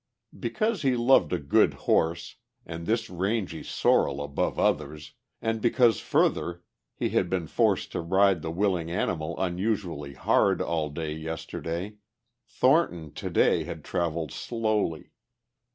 Because he loved a good horse, and this rangy sorrel above others, and because further he had been forced to ride the willing animal unusually hard all day yesterday, Thornton today had travelled slowly.